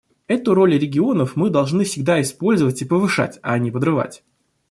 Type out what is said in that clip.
Эту роль регионов мы должны всегда использовать и повышать, а не подрывать.